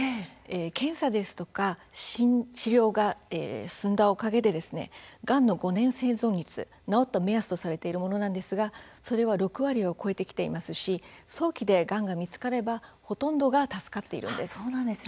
検査ですとか治療が進んだおかげでがんの５年生存率治った目安とされているものなんですがそれは６割を超えてきていますし早期でがんが見つかればほとんどが助かっているんです。